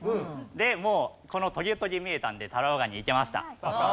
でもうこのトゲトゲ見えたんでタラバガニいけました。